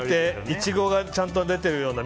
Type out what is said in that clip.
イチゴがちゃんと出てる。